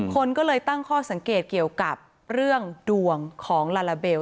คนก็เลยตั้งข้อสังเกตเกี่ยวกับเรื่องดวงของลาลาเบล